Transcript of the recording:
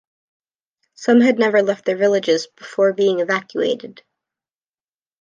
Some had never left their villages before being evacuated.